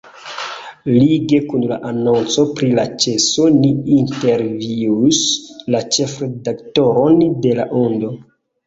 Lige kun la anonco pri la ĉeso ni intervjuis la ĉefredaktoron de La Ondo.